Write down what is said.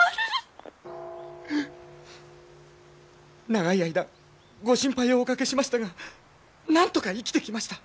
長い間ご心配をおかけしましたがなんとか生きてきました。